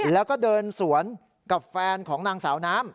แล้วก็เดินสวนกับแฟนของนางสาวน้ำ